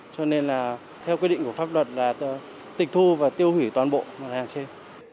cho nên là theo quy định của pháp luật là tịch thu và tiêu hủy toàn bộ mặt hàng trên